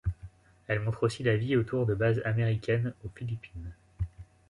Elle montre aussi la vie autour de bases américaines aux Philippines.